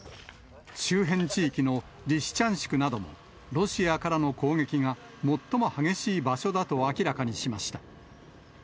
周辺地域のリシチャンシクなども、ロシアからの攻撃が最も激しい場所だと明らかにしました。